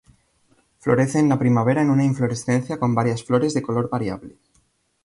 Florece en la primavera en una inflorescencia con varias flores de color variable.